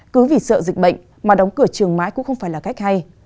cứ vì sợ dịch bệnh mà đóng cửa trường mãi cũng không phải là cách hay